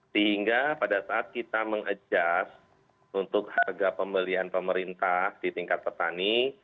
sehingga pada saat kita mengadjust untuk harga pembelian pemerintah di tingkat petani